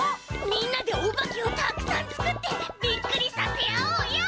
みんなでおばけをたくさんつくってビックリさせようよ！